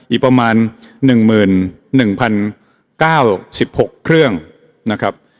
อีกประมาณ๑๑๐๙๖เครื่องนะครับ